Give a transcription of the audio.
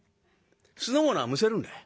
酢の物はむせるんだ。